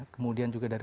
kemudian juga dari